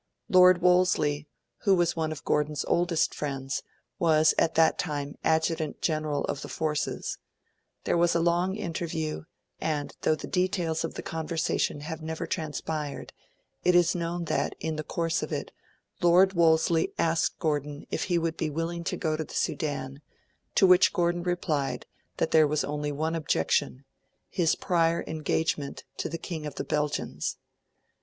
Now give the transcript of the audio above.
Lord Wolseley, who was one of Gordon's oldest friends, was at that time Adjutant General of the Forces; there was a long interview; and, though the details of the conversation have never transpired, it is known that, in the course of it, Lord Wolseley asked Gordon if he would be willing to go to the Sudan, to which Gordon replied that there was only one objection his prior engagement to the King of the Belgians.